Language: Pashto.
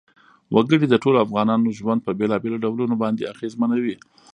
وګړي د ټولو افغانانو ژوند په بېلابېلو ډولونو باندې اغېزمنوي.